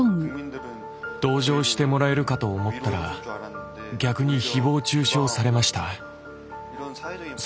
同情してもらえるかと思ったら逆にひぼう中傷されました。